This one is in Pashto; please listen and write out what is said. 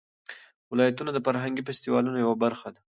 ولایتونه د فرهنګي فستیوالونو یوه برخه ده.